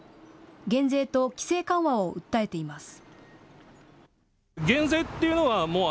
減税と規制緩和を訴えています。